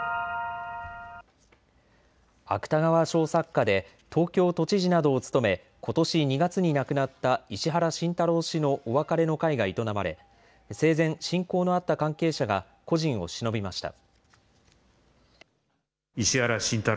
芥川賞作家で東京都知事などを務め、ことし２月に亡くなった石原慎太郎氏のお別れの会が営まれ生前、親交のあった関係者が故人をしのびました。